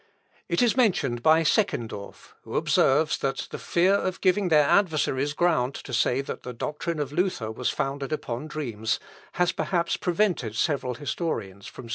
It is mentioned by Seckendorf, who observes, that the fear of giving their adversaries ground to say that the doctrine of Luther was founded upon dreams, has perhaps prevented several historians from speaking of it.